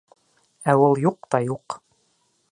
Ә ул юҡ та юҡ!